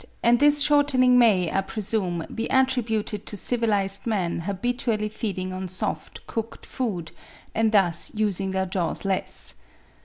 426), and this shortening may, I presume, be attributed to civilised men habitually feeding on soft, cooked food, and thus using their jaws less.